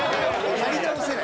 やり直せない。